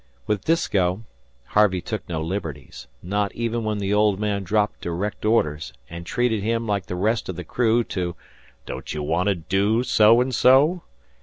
With Disko, Harvey took no liberties; not even when the old man dropped direct orders, and treated him, like the rest of the crew, to "Don't you want to do so and so?"